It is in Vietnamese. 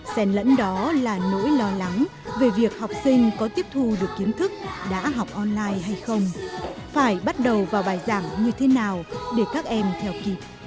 xen lẫn đó là nỗi lo lắng về việc học sinh có tiếp thu được kiến thức đã học online hay không phải bắt đầu vào bài giảng như thế nào để các em theo kịp